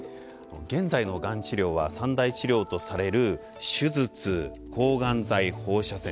現在のがん治療は三大治療とされる手術抗がん剤放射線。